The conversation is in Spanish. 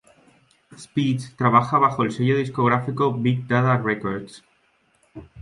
Speech trabaja bajo el sello discográfico Big Dada Records.